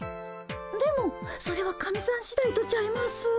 でもそれは神さんしだいとちゃいます？